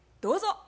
どうぞ。